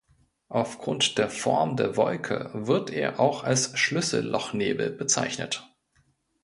Aufgrund der Form der Wolke wird er auch als Schlüsselloch-Nebel bezeichnet.